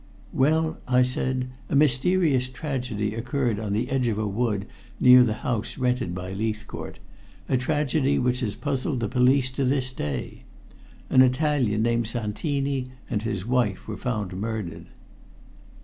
"Well," I said, "a mysterious tragedy occurred on the edge of a wood near the house rented by Leithcourt a tragedy which has puzzled the police to this day. An Italian named Santini and his wife were found murdered."